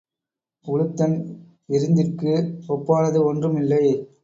உலுத்தன் விருந்திற்கு ஒப்பானது ஒன்றும் இல்லை.